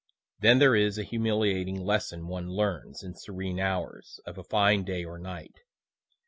(Then there is a humiliating lesson one learns, in serene hours, of a fine day or night.